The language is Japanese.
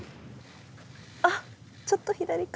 あっちょっと左か。